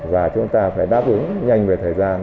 và chúng ta phải đáp ứng nhanh về thời gian